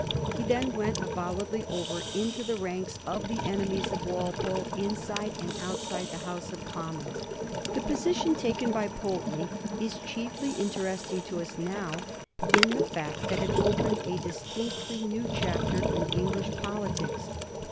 He then went avowedly over into the ranks of the enemies of Wal pole inside and outside the House of Commons. The position taken by Pulteney is chiefly interest ing to us now in the fact that it opened a distinctly new chapter in English politics.